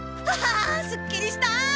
あすっきりした！